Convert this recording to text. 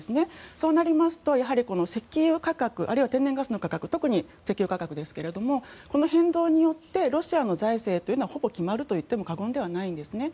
そうなりますと石油価格あるいは天然ガスの価格特に石油価格ですがこの変動によってロシアの財政というのはほぼ決まるといっても過言ではないんですね。